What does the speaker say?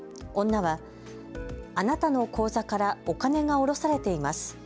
女は、あなたの口座からお金が下ろされています。